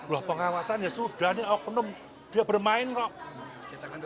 wah pengawasan ya sudah nih dia bermain kok